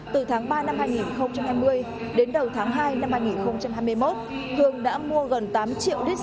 từ tháng ba năm hai nghìn hai mươi đến đầu tháng hai năm hai nghìn hai mươi một cường đã mua gần tám triệu lít